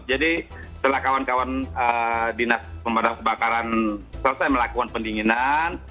jadi setelah kawan kawan dinas pemadam kebakaran selesai melakukan pendinginan